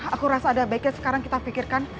aku rasa ada baiknya sekarang kita pikirkan